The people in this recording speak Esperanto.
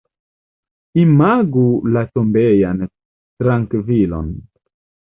Imagu la tombejan trankvilon!